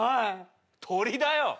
鳥だよ！